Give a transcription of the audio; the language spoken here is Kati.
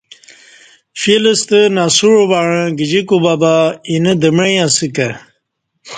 فیل ستہ نسوع وعݩہ اہ گجی کوبہ بہ اینہ دمیع اسہ کہ